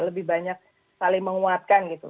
lebih banyak saling menguatkan gitu